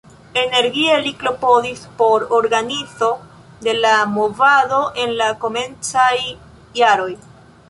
Energie li klopodis por organizo de la movado en la komencaj jaroj.